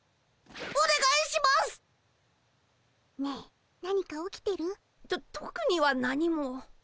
ねえ何か起きてる？ととくには何も。